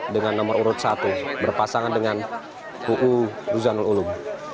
dengan nomor urut satu berpasangan dengan uu ruzanul ulum